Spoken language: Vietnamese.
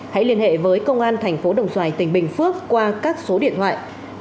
hãy liên hệ với công an thành phố đồng xoài tỉnh bình phước qua các số điện thoại